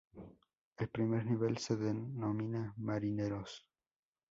El primer nivel se denomina "Marineros".